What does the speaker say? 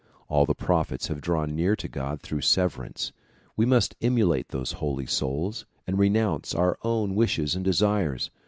All the prophets have drawn near to God through severance. We must emulate those holy souls and renounce our own wishes and desires.